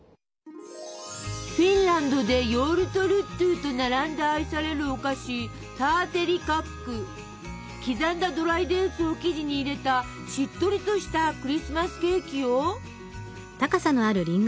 フィンランドでヨウルトルットゥと並んで愛されるお菓子刻んだドライデーツを生地に入れたしっとりとしたクリスマスケーキよ！